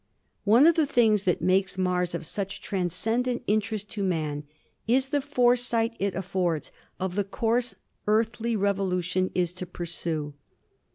"One of the things that makes Mars of such transcen dent interest to man is the foresight it affords of the course earthly revolution is to pursue.